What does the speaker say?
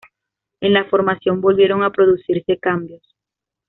En la formación volvieron a producirse cambios.